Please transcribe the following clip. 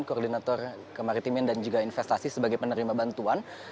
koordinator kemaritiman dan juga investasi sebagai penerima bantuan